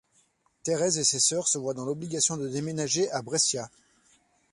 Thérèse et ses sœurs se voient dans l'obligation de déménager à Brescia.